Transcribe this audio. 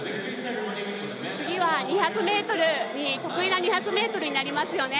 次は得意な２００ｍになりますよね。